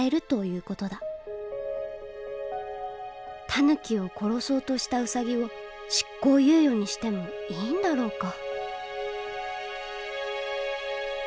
タヌキを殺そうとしたウサギを執行猶予にしてもいいんだろうか。